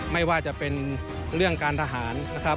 ไม่ว่าจะเป็นเรื่องการทหารนะครับ